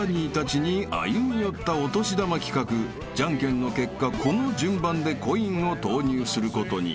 ［じゃんけんの結果この順番でコインを投入することに］